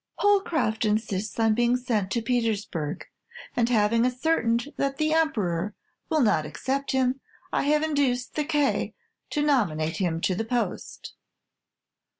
"Holecroft insists on being sent to Petersburg; and having ascertained that the Emperor will not accept him, I have induced the K to nominate him to the post.